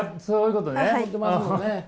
そういうことね。